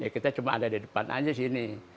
kita cuma ada di depan aja sini